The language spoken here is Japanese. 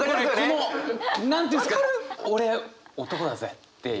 俺男だぜっていう。